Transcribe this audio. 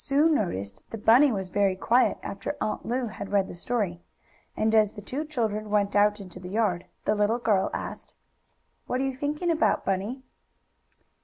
Sue noticed that Bunny was very quiet after Aunt Lu had read the story, and, as the two children went out into the yard, the little girl asked: "What are you thinking about, Bunny?"